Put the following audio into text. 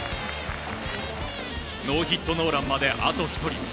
ノーヒットノーランまであと１人。